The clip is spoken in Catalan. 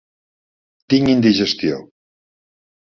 Tinc indigestió.